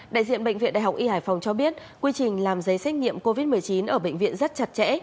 đại diện bệnh viện đại học y hải phòng cho biết quy trình làm giấy xét nghiệm covid một mươi chín ở bệnh viện rất chặt chẽ